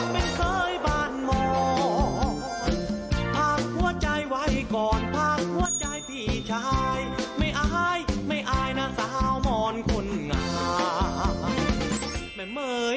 ไม่อายนะสาวมอนคนงามแม่เมยนะแม่เมย